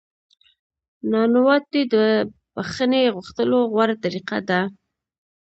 نانواتې د بخښنې غوښتلو غوره طریقه ده.